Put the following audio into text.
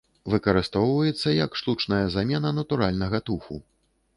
Выкарыстоўваецца як штучная замена натуральнага туфу.